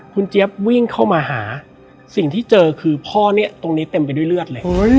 คุณเจี๊ยบวิ่งเข้ามาหาสิ่งที่เจอคือพ่อเนี่ยตรงนี้เต็มไปด้วยเลือดเลย